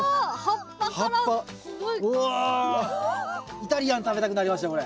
イタリアン食べたくなりましたこれ。